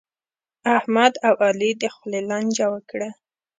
احمد او علي د خولې لانجه وکړه.